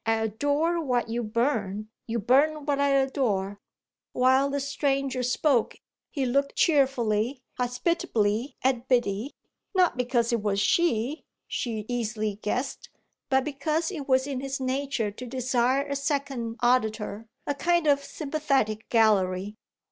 I adore what you burn, you burn what I adore." While the stranger spoke he looked cheerfully, hospitably, at Biddy; not because it was she, she easily guessed, but because it was in his nature to desire a second auditor a kind of sympathetic gallery.